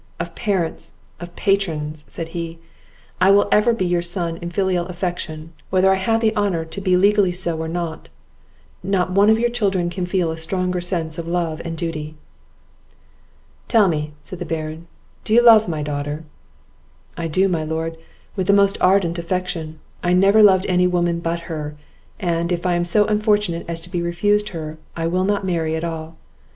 of parents! of patrons!" said he, "I will ever be your son in filial affection, whether I have the honour to be legally so or not; not one of your own children can feel a stronger sense of love and duty." "Tell me," said the Baron, "do you love my daughter?" "I do, my lord, with the most ardent affection; I never loved any woman but her; and, if I am so unfortunate as to be refused her, I will not marry at all.